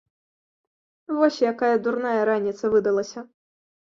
Вось якая дурная раніца выдалася.